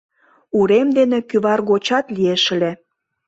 Урем дене кӱвар гочат лиеш ыле.